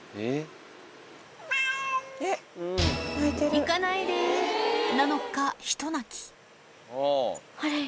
行かないでーなのか、ひと鳴き。